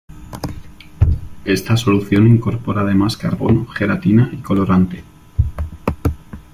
Esta solución incorpora además carbono, gelatina y colorante.